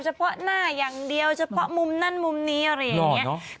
เฉพาะหน้าอย่างเดียวเฉพาะมุมนั้นมุมนี้อะไรอย่างนี้